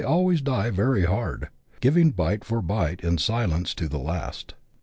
always die very hard, giving bite for bite in silence to the last.